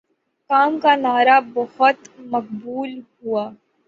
کام کا نعرہ بہت مقبول ہوا